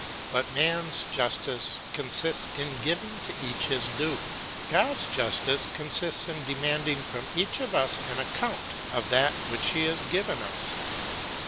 But man's justice consists in giving to each his due; God's justice consists in demanding from each of us an account of that which he has given us.